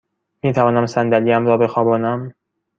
می توانم صندلی ام را بخوابانم؟